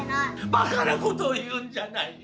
バカな事を言うんじゃない！